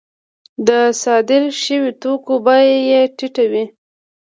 د صادر شویو توکو بیه یې ټیټه وي